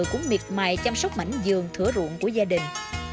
cũng miệt mài chăm sóc mảnh giường thửa ruộng của gia đình